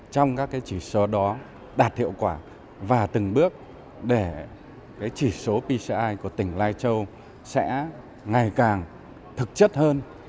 trong các chỉ số đó đạt hiệu quả và từng bước để chỉ số pci của tỉnh lai châu sẽ ngày càng thực chất hơn